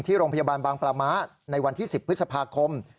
ที่โรงพยาบาลบางปลาม้าในวันที่๑๐พฤษภาคม